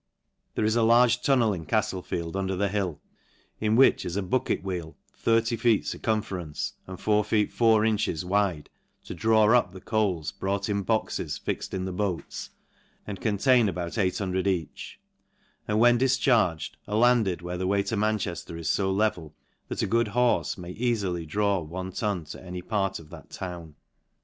There is a large tunnel in Cajile field, under the hill, in which is a bucket wheel, 30 feet circumference, and four feet four inches wide, to draw up the coals brought in boxes fixed in the boats, and contain atout eight hundred each ; and when difcharged, are landed where the way to Mancbefier is fo level, that a good horfe may eafily draw one ton to any part of that town.